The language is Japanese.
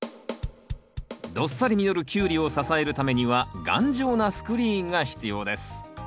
どっさり実るキュウリを支えるためには頑丈なスクリーンが必要です。